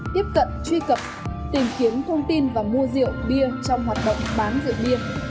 tiếp cận truy cập tìm kiếm thông tin và mua rượu bia trong hoạt động bán rượu bia